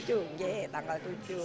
oke tanggal tujuh